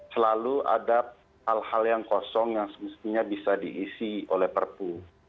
selalu ada hal hal yang kosong yang semestinya bisa diisi oleh perpu